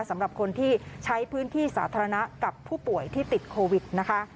สำหรับคนที่ใช้พื้นที่สาธารณะกับผู้ป่วยที่ติดโควิดนะคะ